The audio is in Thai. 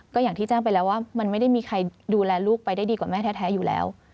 ก็อย่างที่แจ้งไปแล้วว่ามันไม่ได้มีใครดูแลลูกไปได้ดีกว่าแม่แท้อยู่แล้ว